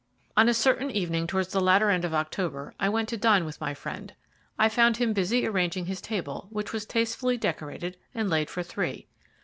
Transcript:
On a certain evening towards the latter end of October I went to dine with my friend. I found him busy arranging his table, which was tastefully decorated, and laid for three.